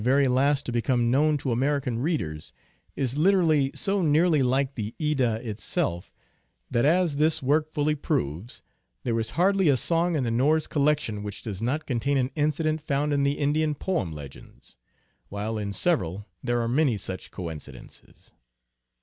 very last to become known to American readers, is literally so nearly like the Edda itself that, as this work fully proves, there is hardly a song in the Norse collection which does not contain an incident found in the Indian poem legends, while in several there are many such coincidences.